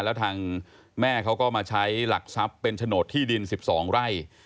แล้วทางแม่เขาก็มาใช้หลักทรัพย์เป็นโฉนดที่ดิน๑๒ไร่